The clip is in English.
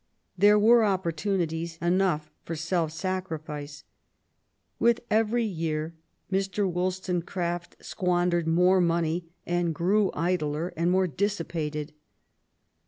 There were opportunities, enough for self sacrifice. With every year Mr. WoU stonecraft squandered more money, and grew idler and more dissipated.